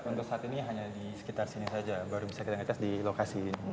untuk saat ini hanya di sekitar sini saja baru bisa kita ngetes di lokasi ini